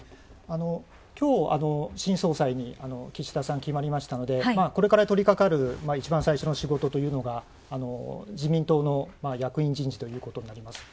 きょう、新総裁に岸田さん決まりましたので、これから取りかかる一番最初の仕事というのが自民党の役員人事ということになります。